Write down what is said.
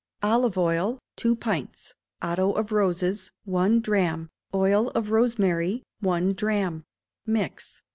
Olive oil, two pints; otto of roses, one drachm; oil of rosemary, one drachm: mix.